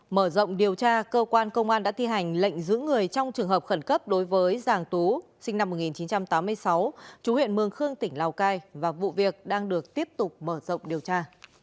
mở rộng điều tra cơ quan công an đã thi hành lệnh giữ người trong trường hợp khẩn cấp đối với giàng tú sinh năm một nghìn chín trăm tám mươi sáu chú huyện mường khương tỉnh lào cai và vụ việc đang được tiếp tục mở rộng điều tra